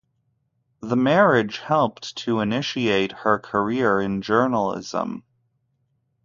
The marriage helped to initiate her career in journalism.